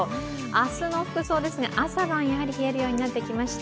明日の服装ですね、朝晩冷えるようになってきました。